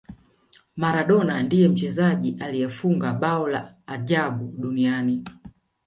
maradona ndiye mchezaji aliyefunga bao la ajabu duniani